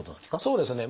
そうですね。